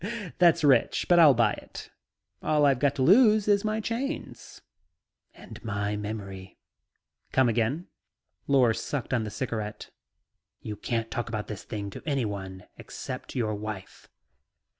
"That's rich, but I'll buy it. All I've got to lose is my chains..." "And your memory." "Come again?" Lors sucked on the cigarette. "You can't talk about this thing to anyone except your wife."